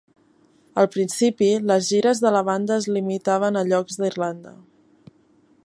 Al principi, les gires de la banda es limitaven a llocs d'Irlanda